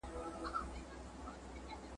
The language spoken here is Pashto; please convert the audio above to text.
زه ریشتیا په عقل کم یمه نادان وم ..